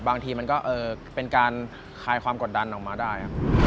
บางทีมันก็เป็นการคลายความกดดันออกมาได้